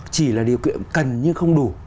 chỉ là điều kiện cần nhưng không đủ